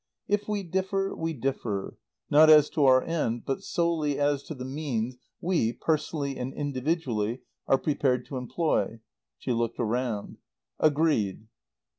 "If we differ, we differ, not as to our end, but solely as to the means we, personally and individually, are prepared to employ." She looked round. "Agreed."